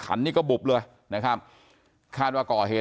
นี่ก็บุบเลยนะครับคาดว่าก่อเหตุ